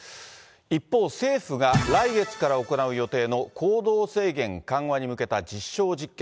一方、政府が来月から行う予定の行動制限緩和に向けた実証実験。